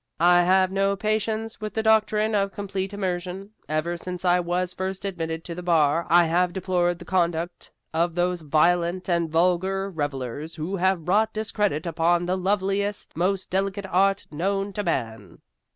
I have no patience with the doctrine of complete immersion. Ever since I was first admitted to the bar I have deplored the conduct of those violent and vulgar revelers who have brought discredit upon the loveliest, most delicate art known to man.